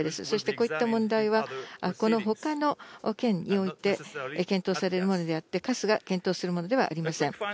そしてこういった問題は、このほかの件において、検討されるものであって、ＣＡＳが検討するものではありません。